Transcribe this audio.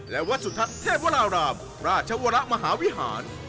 และวัดสุทัศน์เทพวรารามราชวรมหาวิหาร